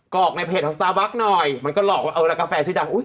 กรอกในเข้าสตาร์บัมบัคป้องหน่อยมันก็หลอกว่าเออแล้วกาแฟชีดัง